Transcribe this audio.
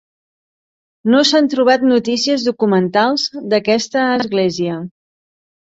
No s'han trobat notícies documentals d'aquesta església.